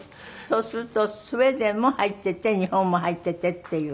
そうするとスウェーデンも入ってて日本も入っててっていう。